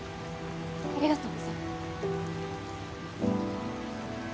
ありがとうございま。